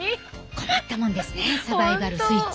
困ったもんですねサバイバル・スイッチ。